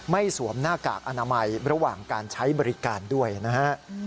สวมหน้ากากอนามัยระหว่างการใช้บริการด้วยนะฮะ